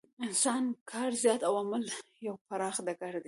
انسان کار، زیار او عمل یو پراخ ډګر دی.